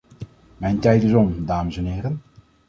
Mijn tijd is om, dames en heren.